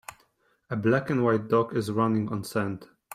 A black and white dog is running on sand.